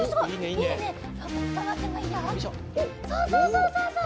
そうそうそうそうそう！